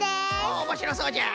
おっおもしろそうじゃ！